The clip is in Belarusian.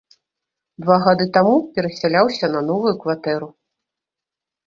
Два гады таму перасяляўся на новую кватэру.